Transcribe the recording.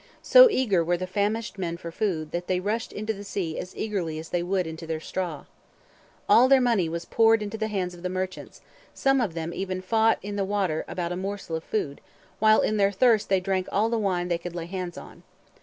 So eager were the famished men for food, that "they rushed into the sea as eagerly as they would into their straw." All their money was poured into the hands of the merchants; some of them even fought in the water about a morsel of food, while in their thirst they drank all the wine they could lay hands on.